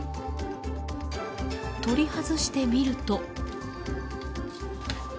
取り外してみると。